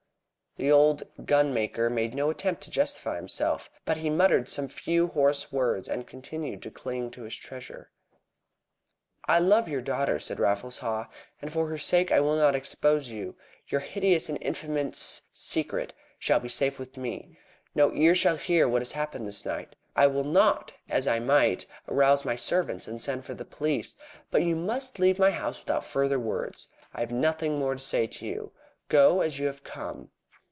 The old gunmaker made no attempt to justify himself, but he muttered some few hoarse words, and continued to cling to the treasure. "I love your daughter," said Raffles Haw, "and for her sake I will not expose you. Your hideous and infamous secret shall be safe with me. No ear shall hear what has happened this night. I will not, as I might, arouse my servants and send for the police. But you must leave my house without further words. I have nothing more to say to you. Go as you have come."